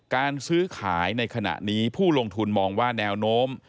การซื้อขายในขณะนี้ผู้ลงทุนมองว่าแนวโน้ม